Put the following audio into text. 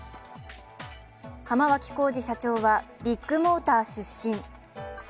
浜脇浩次社長はビッグモーター出身。